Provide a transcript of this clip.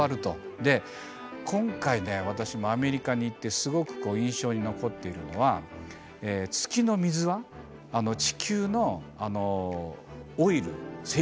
今回ね私もアメリカに行ってすごく印象に残っているのは月の水は地球のオイル石油よりも価値があると。